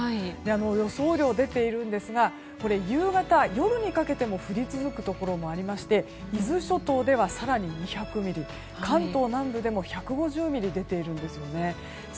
予想雨量出ているんですが夕方、夜にかけても降り続くところもありまして伊豆諸島では更に２００ミリ関東南部でも１５０ミリ出ているんです。